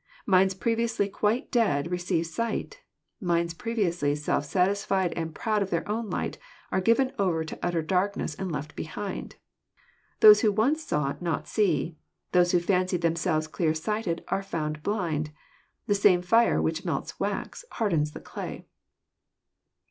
Minds previously quite dead receive sight. Minds previously self sat isfied and proud of their own light are given over to utter dark ness and left behind. Those who once saw not see. Those who fancied themselves clear sighted are found blind. The same fire which melts wax hardens the clay.